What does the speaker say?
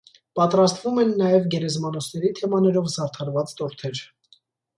Պատրաստվում են նաև գերեզմանոցների թեմաներով զարդարված տորթեր։